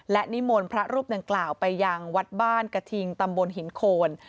และนิมนต์พระรูปดังกล่าวไปยังวัดบ้านกระทิงตำบลหินโคน